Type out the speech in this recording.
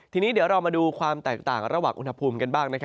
ทีนี้เดี๋ยวเรามาดูความแตกต่างระหว่างอุณหภูมิกันบ้าง